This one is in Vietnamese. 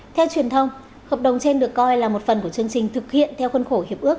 theo truyền thông hợp đồng trên được coi là một phần của chương trình thực hiện theo khuân khổ hiệp ước